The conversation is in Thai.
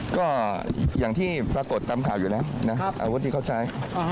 ก็อย่างที่ปรากฏตามข่าวอยู่แล้วนะครับอาวุธที่เขาใช้